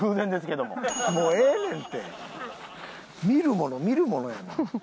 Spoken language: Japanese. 見るもの見るものやな。